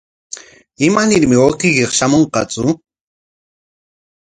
¿Imanarmi wawqiyki shamunqatsu?